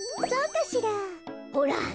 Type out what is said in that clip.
そうかしら。